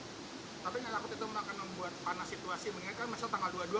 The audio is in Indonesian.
tapi gak takut itu mereka membuat panas situasi mengingatkan tanggal dua puluh dua udah mereka